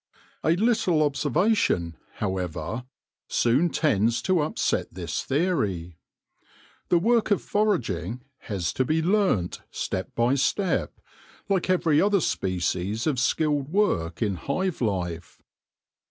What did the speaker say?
A little observation, however, soon tends to upset this theory. The work of foraging has to be learnt step by step, like every other species of skilled work in hive life.